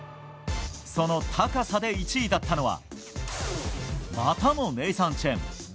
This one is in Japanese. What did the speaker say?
その高さで１位だったのはまたもネイサン・チェン。